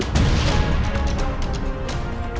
kita ditakdirkan untuk bersatu